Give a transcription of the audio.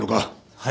はい。